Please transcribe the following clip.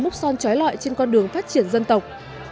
còn trói lọi trên con đường phát triển dân tộc